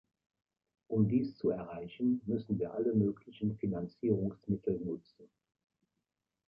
Um dies zu erreichen, müssen wir alle möglichen Finanzierungsmittel nutzen.